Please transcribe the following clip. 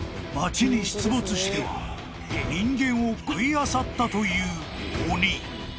［町に出没しては人間を食いあさったという鬼］